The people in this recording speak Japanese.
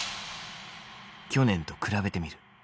去年と比べてみる。